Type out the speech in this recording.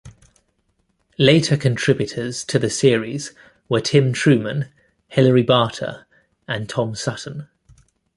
Later contributors to the series were Tim Truman, Hilary Barta, and Tom Sutton.